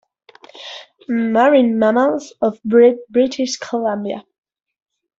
"Marine Mammals of British Columbia".